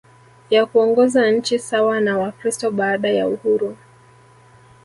ya kuongoza nchi sawa na Wakristo baada ya uhuru